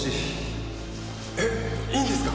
えっいいんですか？